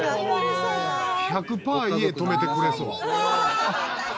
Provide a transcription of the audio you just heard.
１００パー家泊めてくれそう。